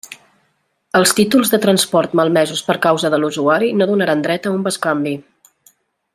Els títols de transport malmesos per causa de l'usuari no donaran dret a un bescanvi.